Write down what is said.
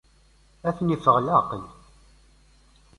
Ad ten-iffeɣ leɛqel.